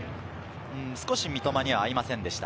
少し三笘には合いませんでした。